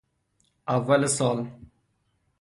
اول سال